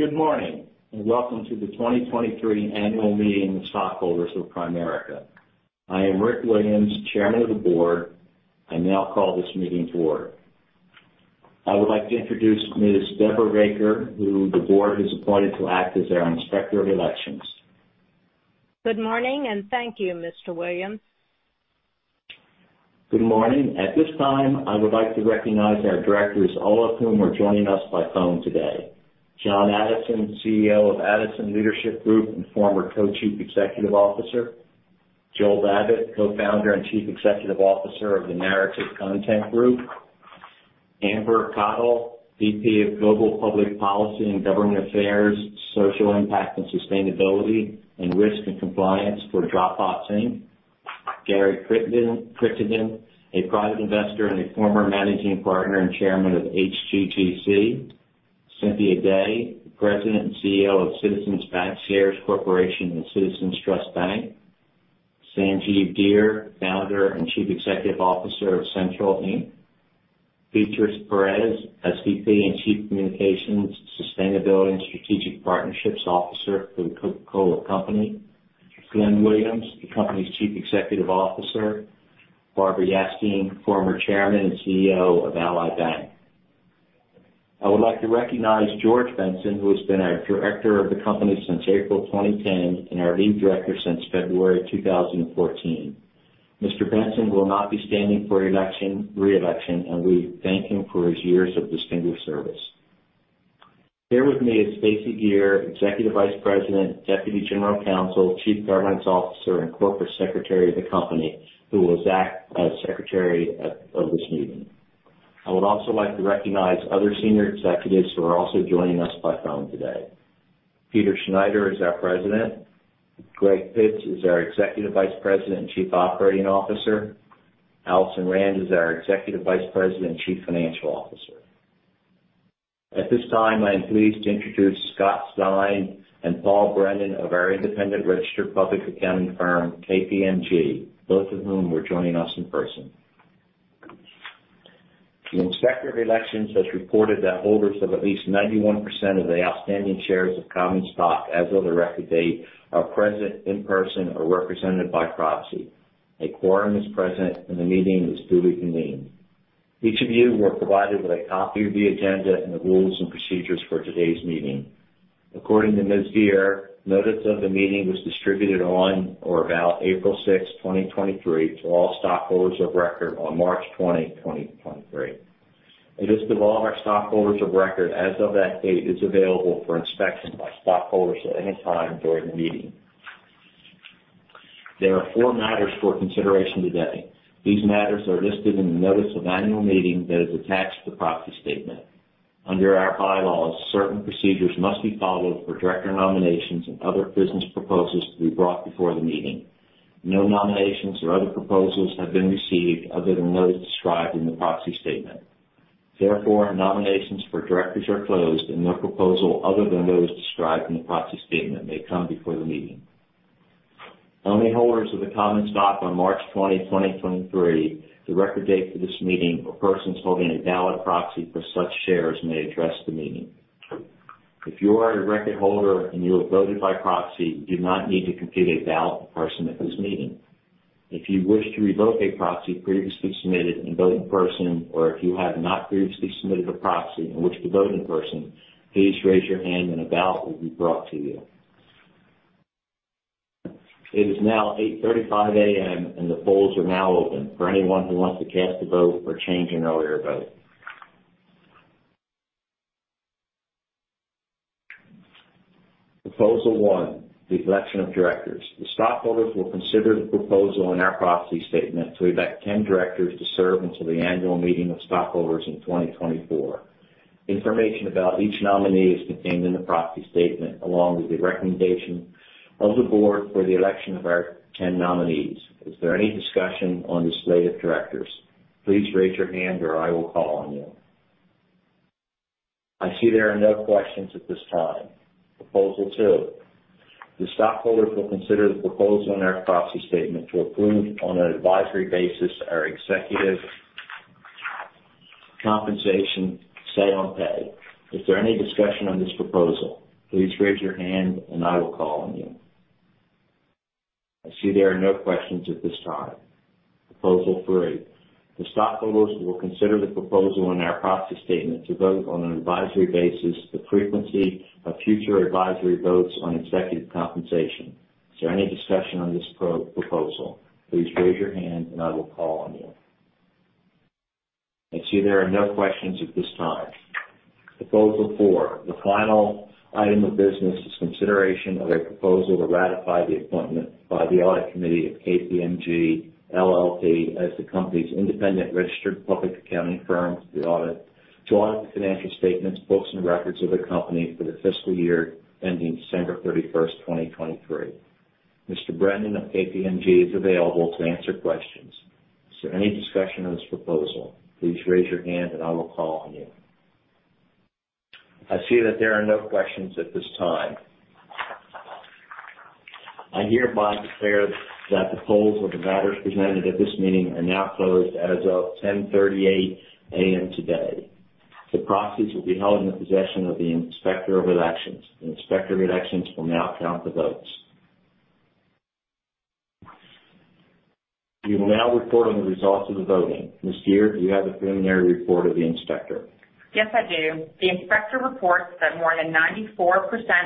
Good morning, and welcome to the 2023 annual meeting of stockholders of Primerica. I am Rick Williams, Chairman of the Board. I now call this meeting to order. I would like to introduce Ms. Deborah Raker, who the board has appointed to act as our Inspector of Elections. Good morning, and thank you, Mr. Williams. Good morning. At this time, I would like to recognize our directors, all of whom are joining us by phone today. John Addison, CEO of Addison Leadership Group and former Co-Chief Executive Officer. Joel Babbit, Co-founder and Chief Executive Officer of Narrative Content Group. Amber Cottle, VP of Global Public Policy and Government Affairs, Social Impact and Sustainability, and Risk and Compliance for Dropbox Inc. Gary Crittenden, a private investor and a former Managing Partner and Chairman of HGGC. Cynthia Day, President and CEO of Citizens Bancshares Corporation and Citizens Trust Bank. Sanjiv Dhar, Founder and Chief Executive Officer of CENTRL, Inc. Beatriz Perez, SVP and Chief Communications, Sustainability, and Strategic Partnerships Officer for The Coca-Cola Company. Glenn Williams, the company's Chief Executive Officer. Barbara Yastine, Former Chairman and CEO of Ally Bank. I would like to recognize George Benson, who has been our Director of the Company since April 2010 and our Lead Director since February 2014. Mr. Benson will not be standing for reelection, and we thank him for his years of distinguished service. Here with me is Stacey Geer, Executive Vice President, Deputy General Counsel, Chief Governance Officer, and Corporate Secretary of the company, who will act as Secretary of this meeting. I would also like to recognize other senior executives who are also joining us by phone today. Peter Schneider is our President. Greg Pitts is our Executive Vice President and Chief Operating Officer. Alison Rand is our Executive Vice President and Chief Financial Officer. At this time, I am pleased to introduce Scott Stein and Paul Brennan of our independent registered public accounting firm, KPMG, both of whom are joining us in person. The Inspector of Elections has reported that holders of at least 91% of the outstanding shares of common stock as of the record date are present in person or represented by proxy. A quorum is present, and the meeting is duly convened. Each of you were provided with a copy of the agenda and the rules and procedures for today's meeting. According to Ms. Geer, notice of the meeting was distributed on or about April 6, 2023, to all stockholders of record on March 20, 2023. A list of all of our stockholders of record as of that date is available for inspection by stockholders at any time during the meeting. There are four matters for consideration today. These matters are listed in the notice of annual meeting that is attached to the proxy statement. Under our bylaws, certain procedures must be followed for director nominations and other business proposals to be brought before the meeting. No nominations or other proposals have been received other than those described in the proxy statement. Therefore, nominations for directors are closed and no proposal other than those described in the proxy statement may come before the meeting. Only holders of the common stock on March 20, 2023, the record date for this meeting, or persons holding a ballot proxy for such shares may address the meeting. If you are a record holder and you have voted by proxy, you do not need to complete a ballot in person at this meeting. If you wish to revoke a proxy previously submitted and vote in person, or if you have not previously submitted a proxy and wish to vote in person, please raise your hand and a ballot will be brought to you. It is now 8:35 A.M. The polls are now open for anyone who wants to cast a vote or change an earlier vote. Proposal 1, the election of directors. The stockholders will consider the proposal in our proxy statement to elect 10 directors to serve until the annual meeting of stockholders in 2024. Information about each nominee is contained in the proxy statement, along with the recommendation of the board for the election of our 10 nominees. Is there any discussion on the slate of directors? Please raise your hand or I will call on you. I see there are no questions at this time. Proposal 2. The stockholders will consider the proposal in our proxy statement to approve on an advisory basis our executive compensation say on pay. Is there any discussion on this proposal? Please raise your hand I will call on you. I see there are no questions at this time. Proposal 3. The stockholders will consider the proposal in our proxy statement to vote on an advisory basis the frequency of future advisory votes on executive compensation. Is there any discussion on this proposal? Please raise your hand I will call on you. I see there are no questions at this time. Proposal 4. The final item of business is consideration of a proposal to ratify the appointment by the audit committee of KPMG LLP as the company's independent registered public accounting firm to audit the financial statements, books, and records of the company for the fiscal year ending December 31st, 2023. Mr. Brennan of KPMG is available to answer questions. Is there any discussion on this proposal? Please raise your hand I will call on you. I see that there are no questions at this time. I hereby declare that the polls for the matters presented at this meeting are now closed as of 10:38 A.M. today. The proxies will be held in the possession of the Inspector of Elections. The Inspector of Elections will now count the votes. We will now report on the results of the voting. Ms. Geer, do you have the preliminary report of the inspector? Yes, I do. The inspector reports that more than 94%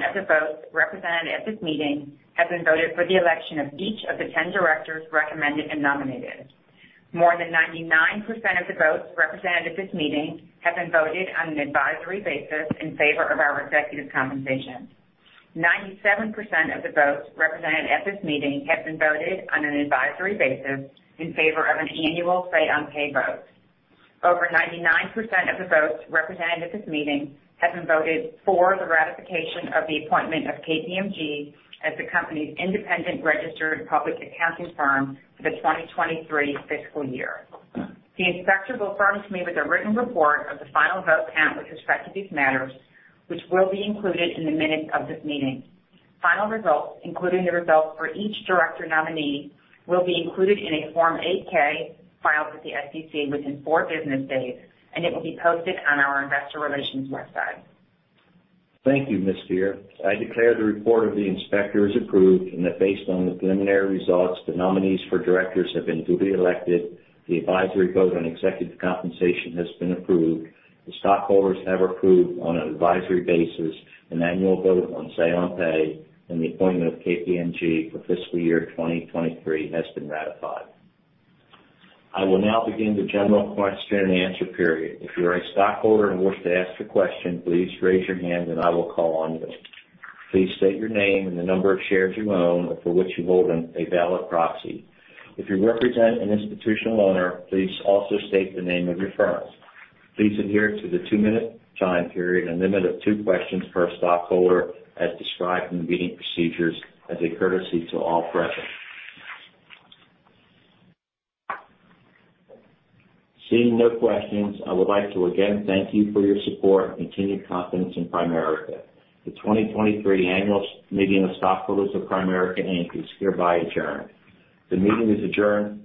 of the votes represented at this meeting have been voted for the election of each of the 10 directors recommended and nominated. More than 99% of the votes represented at this meeting have been voted on an advisory basis in favor of our executive compensation. 97% of the votes represented at this meeting have been voted on an advisory basis in favor of an annual say on pay vote. Over 99% of the votes represented at this meeting have been voted for the ratification of the appointment of KPMG as the company's independent registered public accounting firm for the 2023 fiscal year. The inspector will affirm to me with a written report of the final vote count with respect to these matters, which will be included in the minutes of this meeting. Final results, including the results for each director nominee, will be included in a Form 8-K filed with the SEC within four business days, and it will be posted on our investor relations website. Thank you, Ms. Geer. I declare the report of the inspector is approved, and that based on the preliminary results, the nominees for directors have been duly elected, the advisory vote on executive compensation has been approved. The stockholders have approved, on an advisory basis, an annual vote on say on pay, and the appointment of KPMG for fiscal year 2023 has been ratified. I will now begin the general question and answer period. If you are a stockholder and wish to ask a question, please raise your hand and I will call on you. Please state your name and the number of shares you own or for which you hold a valid proxy. If you represent an institutional owner, please also state the name of your firm. Please adhere to the two-minute time period and limit of two questions per stockholder, as described in the meeting procedures as a courtesy to all present. Seeing no questions, I would like to again thank you for your support and continued confidence in Primerica. The 2023 Annual Meeting of Stockholders of Primerica Inc. is hereby adjourned. The meeting is adjourned.